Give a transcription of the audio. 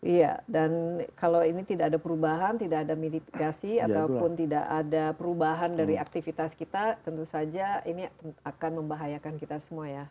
iya dan kalau ini tidak ada perubahan tidak ada mitigasi ataupun tidak ada perubahan dari aktivitas kita tentu saja ini akan membahayakan kita semua ya